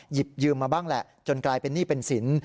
หยิบยืมมาบ้างแหละจนกลายเป็นหนี้เป็นสิน